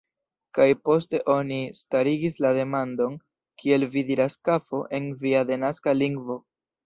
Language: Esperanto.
Kaj poste oni starigis la demandon, kiel vi diras "kafo" en via denaska lingvo.